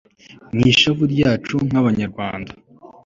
mw'ishavu ryacu nk'abanyarwanda